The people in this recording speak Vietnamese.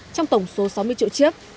trong tổng số sáu mươi triệu chiếc